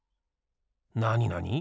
なになに？